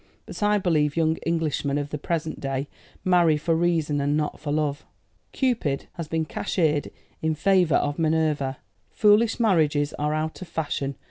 "But I believe young Englishmen of the present day marry for reason and not for love. Cupid has been cashiered in favour of Minerva. Foolish marriages are out of fashion.